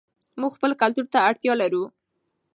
موږ خپل کلتور ته اړتیا لرو.